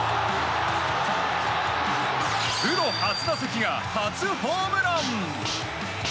プロ初打席が初ホームラン！